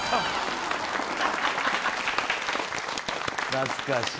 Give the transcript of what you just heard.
懐かしい。